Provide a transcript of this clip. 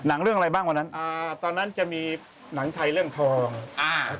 เรื่องอะไรบ้างวันนั้นอ่าตอนนั้นจะมีหนังไทยเรื่องทองอ่า